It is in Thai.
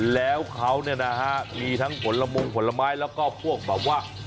แล้วเขาเนี่ยนะฮะมีทั้งผลมงผลไม้แล้วก็พวกแบบว่า